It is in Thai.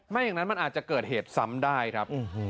อย่างนั้นมันอาจจะเกิดเหตุซ้ำได้ครับ